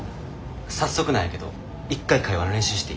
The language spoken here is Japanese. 早速なんやけど一回会話の練習していい？